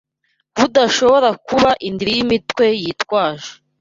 budashobora kuba indiri y’imitwe yitwaje